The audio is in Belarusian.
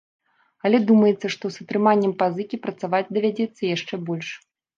Але думаецца, што з атрыманнем пазыкі, працаваць давядзецца яшчэ больш.